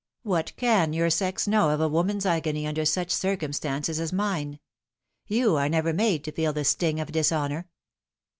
What can your sex know of a woman's agony under such circumstances as mine ? You are never made to feel the sting of dishonour."